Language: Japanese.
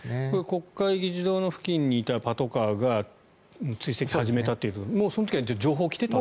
国会議事堂の付近にいたパトカーが追跡を始めたということはその時には情報が来ていたと。